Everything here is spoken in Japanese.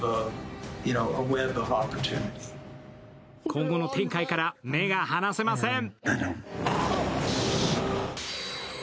今後の展開から目が離せません。